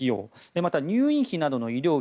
また、入院費などの医療費